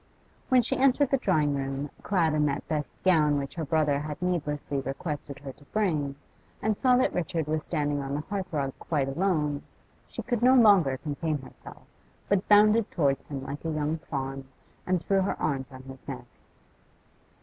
When she entered the drawing room, clad in that best gown which her brother had needlessly requested her to bring, and saw that Richard was standing on the hearth rug quite alone, she could no longer contain herself, but bounded towards him like a young fawn, and threw her arms on his neck.